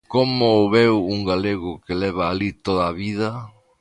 Como o veu un galego que leva alí toda a vida?